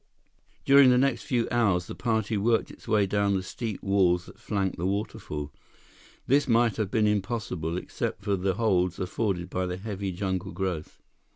During the next few hours, the party worked its way down the steep walls that flanked the waterfall. This might have been impossible, except for the holds afforded by the heavy jungle growth.